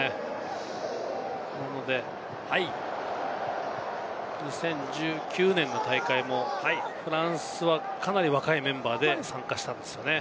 なので、２０１９年の大会もフランスはかなり若いメンバーで参加したんですよね。